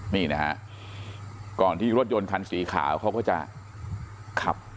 นี่นะฮะก่อนที่รถยนต์คันสีขาวเขาก็จะขับ